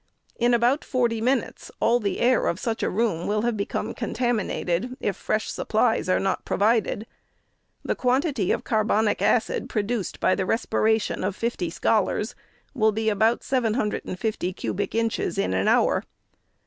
In about forty minutes, all the air of such a room will have become con taminated, if fresh supplies are not provided. The quantity of carbonic acid produced by the respiration of fifty scholars will be about 750 cubic inches in an hour.